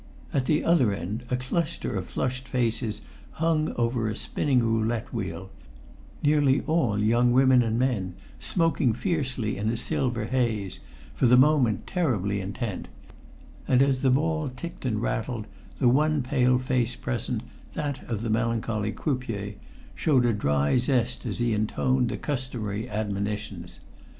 At the other end a cluster of flushed faces hung over a spinning roulette wheel; nearly all young women and men, smoking fiercely in a silver haze, for the moment terribly intent; and as the ball ticked and rattled, the one pale face present, that of the melancholy croupier, showed a dry zest as he intoned the customary admonitions.